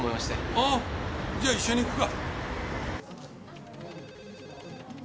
ああじゃあ一緒に行くか。